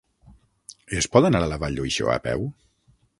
Es pot anar a la Vall d'Uixó a peu?